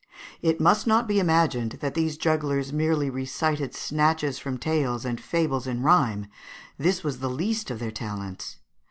It must not be imagined that these jugglers merely recited snatches from tales and fables in rhyme; this was the least of their talents.